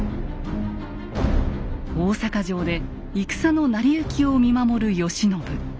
大坂城で戦の成り行きを見守る慶喜。